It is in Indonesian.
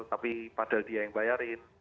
tapi padahal dia yang bayarin